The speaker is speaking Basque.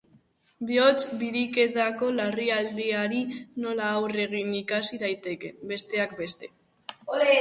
Bihotz biriketako larrialdiari nola aurre egin ikasi daiteke, besteak beste.